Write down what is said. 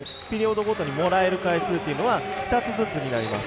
最初にボールをピリオドごとにもらえる回数というのは２つずつになります。